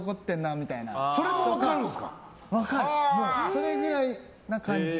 それくらいな感じ。